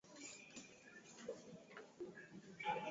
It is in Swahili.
ilipodondoka na ajaribu kutembea kutafiuta eneo salama